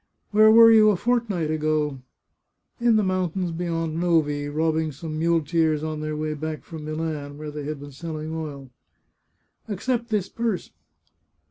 " Where were you a fortnight ago ?"" In the mountains beyond Novi, robbing some mule teers on their way back from Milan, where they had been selling oil." " Accept this purse.